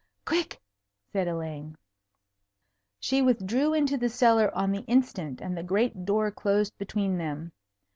"Quick!" said Elaine. She withdrew into the cellar on the instant, and the great door closed between them.